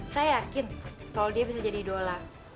saya yakin kalau dia bisa jadi idola